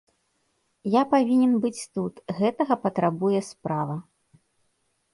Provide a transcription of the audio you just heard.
Я павінен быць тут, гэтага патрабуе справа.